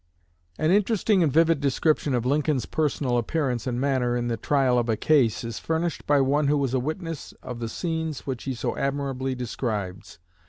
An interesting and vivid description of Lincoln's personal appearance and manner in the trial of a case is furnished by one who was a witness of the scenes which he so admirably describes.